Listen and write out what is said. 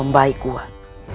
dengar eher banyak